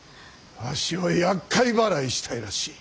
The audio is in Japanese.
わしをやっかい払いしたいらしい。